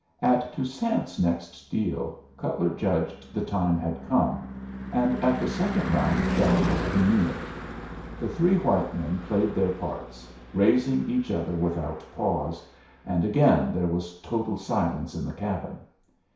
At Toussaint's next deal Cutler judged the time had come, and at the second round of betting he knew it. The three white men played their parts, raising each other without pause, and again there was total silence in the cabin.